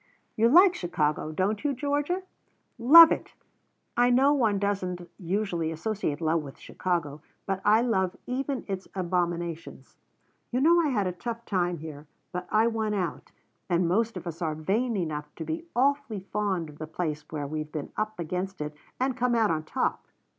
"You like Chicago, don't you, Georgia?" "Love it! I know one doesn't usually associate love with Chicago, but I love even its abominations. You know I had a tough time here, but I won out, and most of us are vain enough to be awfully fond of the place where we've been up against it and come out on top.